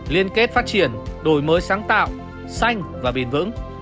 liên kết phát triển đổi mới sáng tạo xanh và bền vững